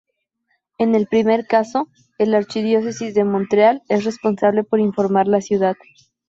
En el primero caso, el archidiócesis de Montreal es responsable por informar la ciudad.